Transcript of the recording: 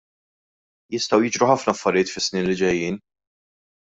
Jistgħu jiġru ħafna affarijiet fis-snin li ġejjin.